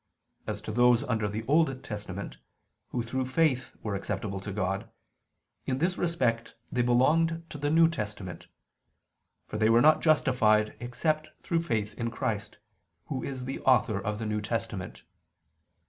As to those under the Old Testament who through faith were acceptable to God, in this respect they belonged to the New Testament: for they were not justified except through faith in Christ, Who is the Author of the New Testament.